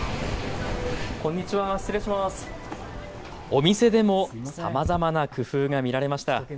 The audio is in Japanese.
お店でもさまざまな工夫が見られました。